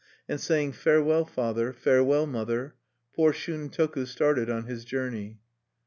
And saying, "Farewell, father; farewell, mother," poor Shuntoku started on his journey.